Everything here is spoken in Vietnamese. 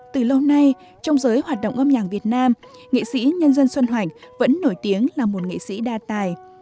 từ lâu nay trong giới hoạt động âm nhạc việt nam nghệ sĩ nhân dân xuân hoành vẫn nổi tiếng là một nghệ sĩ đa tài